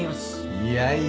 いやいや